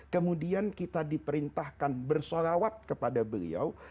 kemudian kita diperintahkan bersolawat kepada beliau